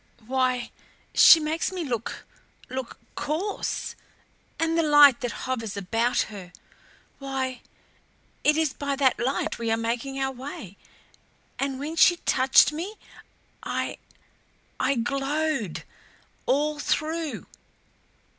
"Why, she makes me look look coarse. And the light that hovers about her why, it is by that light we are making our way. And when she touched me I I glowed all through.